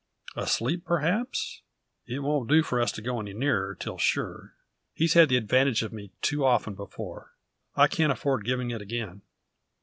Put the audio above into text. "Asleep, perhaps? It won't do for us to go any nearer, till sure. He's had the advantage of me too often before. I can't afford giving it again.